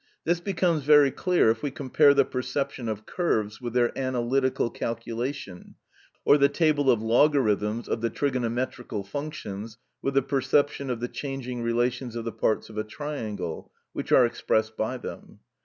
This becomes very clear if we compare the perception of curves with their analytical calculation, or the table of logarithms of the trigonometrical functions with the perception of the changing relations of the parts of a triangle, which are expressed by them.